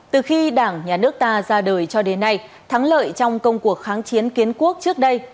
từ khi đảng nhà nước ta ra đời cho đến nay thắng lợi trong công cuộc kháng chiến kiến quốc trước đây